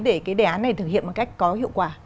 để cái đề án này thực hiện một cách có hiệu quả